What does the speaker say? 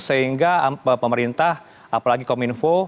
sehingga pemerintah apalagi kominfo